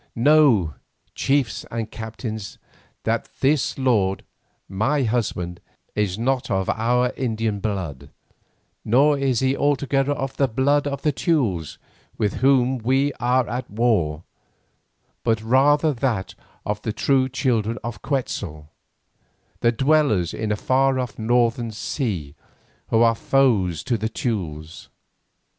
Know, chiefs and captains, that this lord, my husband, is not of our Indian blood, nor is he altogether of the blood of the Teules with whom we are at war, but rather of that of the true children of Quetzal, the dwellers in a far off northern sea who are foes to the Teules.